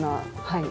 はい。